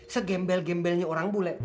segembel gembelnya orang bule